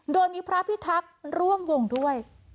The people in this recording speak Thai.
โดยมีพระพิทักษ์ร่วมวงด้วย